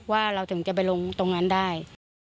ว่าเราถึงจะไปลงตรงนั้นได้